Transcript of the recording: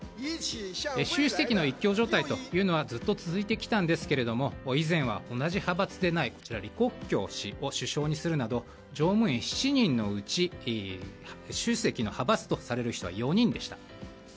習主席の一強状態というのはずっと続いてきたんですが以前は同じ派閥でない李克強氏を首相にするなど常務委員７人のうち習主席の派閥とされるのは４人でした。